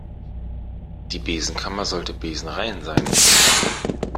Die Besenkammer sollte besenrein sein.